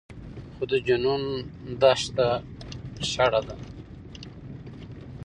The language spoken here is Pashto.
خو د جنون دښته شړه ده